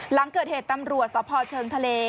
หลังเกิดเหตุตำรวจสพเชิงทะเล